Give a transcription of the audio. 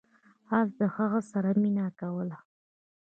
اس د هغه سره مینه کوله.